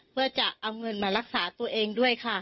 เพื่อจะเอาเงินมารักษาตัวเองด้วยค่ะ